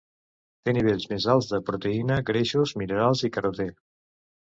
Té nivells més alts de proteïna, greixos minerals i carotè.